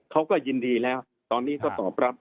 เขาก็ยินดีแล้วตอนนี้ก็ตอบรับ